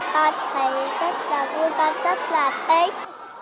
con thấy rất là vui con rất là thích